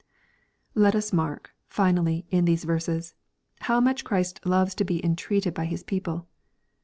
Let us mark, finally, in these verses, 7ioi^ much Ghrist loves to be entreated by His people.